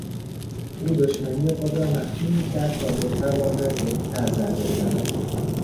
او دشمنی خود را مخفی میکرد تا بتواند بهتر ضربه بزند.